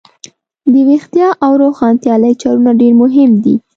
دویښتیا او روښانتیا لکچرونه ډیر مهم دي.